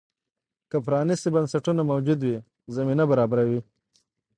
که پرانیستي بنسټونه موجود وي، زمینه برابروي.